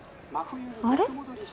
あれ？